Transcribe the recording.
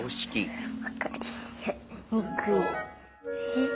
えっ？